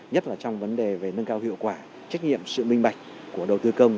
nhất là trong vấn đề về nâng cao hiệu quả trách nhiệm sự minh bạch của đầu tư công